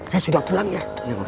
saya sudah pulang ya